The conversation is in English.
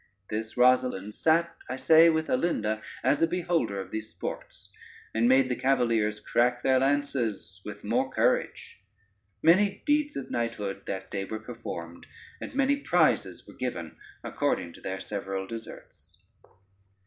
This Rosalynde sat, I say, with Alinda as a beholder of these sports, and made the cavaliers crack their lances with more courage: many deeds of knighthood that day were performed, and many prizes were given according to their several deserts.